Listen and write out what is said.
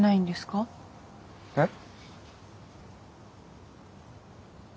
えっ？